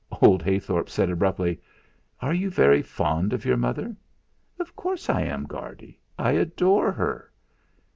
Old Heythorp said abruptly: "Are you very fond of your mother?" "Of course I am, Guardy. I adore her."